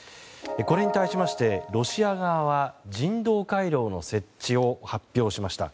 これに対しましてロシア側は人道回廊の設置を発表しました。